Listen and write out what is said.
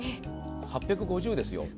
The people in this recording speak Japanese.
８５０ｇですよ。